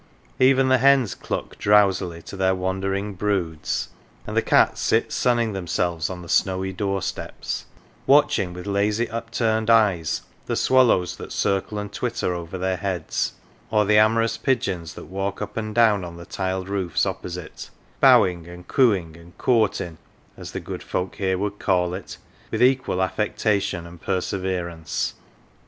Even the hens cluck drowsily to their wandering broods, and the cats sit sunning themselves on the snowy doorsteps, watching with lazy upturned eyes the swallows that circle and twitter over their heads, or the amorous 4 THORNLEIGH pigeons that walk up and down on the tiled roofs oppo site, bowing and cooing and " courtin'," as the good folk here would call it, with equal affectation, and per severance.